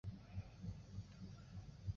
三臂星虫为孔盘虫科三臂星虫属的动物。